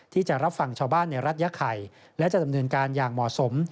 ที่จะรับฟังชาวบ้านในรัฐยะไข่และจะดำเนินการอย่างเหมาะสม